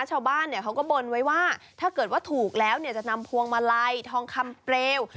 ชาวบ้านเขาก็บนไว้ว่าถ้าเกิดว่าถูกแล้วเนี่ยจะนำพวงมาลัยทองคำเปลว